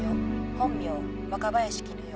本名若林絹代。